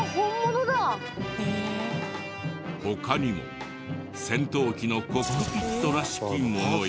他にも戦闘機のコックピットらしきものや。